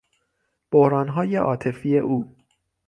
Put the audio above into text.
بحرانهای عاطفی او